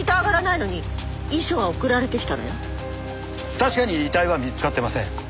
確かに遺体は見つかってません。